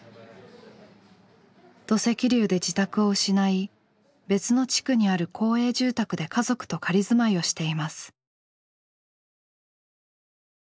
土石流で自宅を失い別の地区にある公営住宅で家族と仮住まいをしています。